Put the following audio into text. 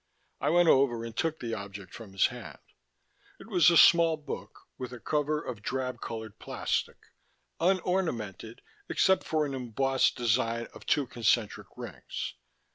I went over and took the object from his hand. It was a small book, with a cover of drab colored plastic, unornamented except for an embossed design of two concentric rings.